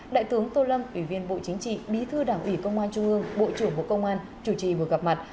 đại tướng tô lâm ủy viên bộ chính trị bí thư đảng ủy công an trung ương bộ trưởng bộ công an chủ trì buổi gặp mặt